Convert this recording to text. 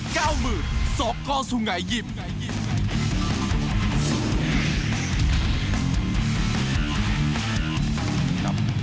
เก้ามือสกสุงัยยิบ